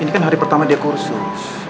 ini kan hari pertama dia kursus